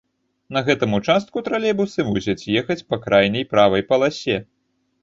На гэтым участку тралейбусы мусяць ехаць па крайняй правай паласе.